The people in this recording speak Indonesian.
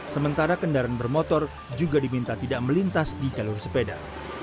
sementara kendaraan bermotor juga diminta tidak melintas di jalur sepeda